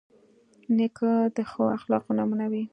نیکه د ښو اخلاقو نمونه وي.